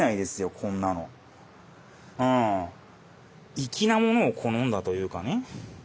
粋なものを好んだというかね。